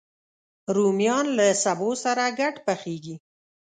رومیان له سبو سره ګډ پخېږي